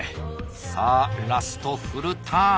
さあラストフルターン！